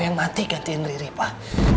saya mati gantian riri pak